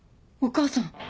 お母さん。